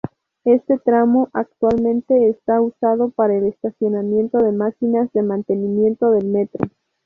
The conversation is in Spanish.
Este tramo actualmente es usado para el estacionamiento de máquinas de mantenimiento del metro.